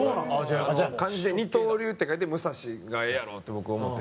漢字で「二刀流」って書いて「むさし」がええやろって僕思うて。